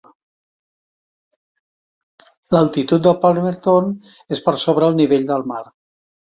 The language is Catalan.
L'altitud de Palmerton és per sobre el nivell del mar.